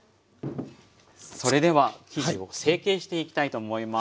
それでは生地を成形していきたいと思います。